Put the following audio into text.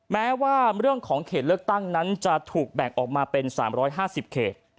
แม้ว่าเรื่องของเขตเลือกตั้งนั้นจะถูกแบ่งออกมาเป็น๓๕๐เขต